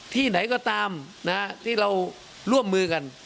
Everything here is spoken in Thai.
ที่ไหนก็ตามที่เราร่วมมือกัน